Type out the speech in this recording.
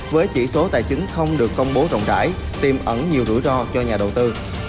với chỉ số tài chính không được công bố rộng rãi tiêm ẩn nhiều rủi ro cho nhà đầu tư